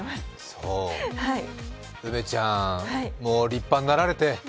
そう、梅ちゃん、もう立派になられて。